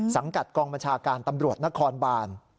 สังกัดกองบัญชาการตำรวจนครบาน